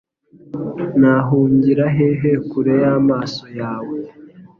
Nahungira hehe kure y’amaso yawe?